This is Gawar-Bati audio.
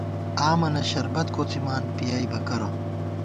آمَنہ شربت کوڅِیمان، پِیَئیبہ کرہ